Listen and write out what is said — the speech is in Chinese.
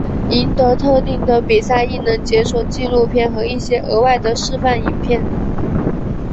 赢得特定的比赛亦能解锁纪录片和一些额外的示范影片。